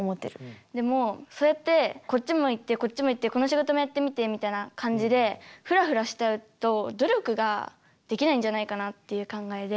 でもそうやってこっちも行ってこっちも行ってこの仕事もやってみてみたいな感じでフラフラしちゃうと努力ができないんじゃないかなっていう考えで。